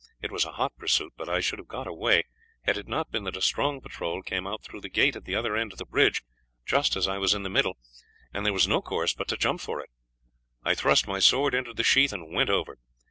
It was a hot pursuit, but I should have got away had it not been that a strong patrol came out through the gate at the other end of the bridge just as I was in the middle, and there was no course but to jump for it. I thrust my sword into the sheath, and went over.